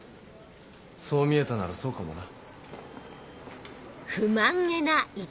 そう見えたならそうかもな。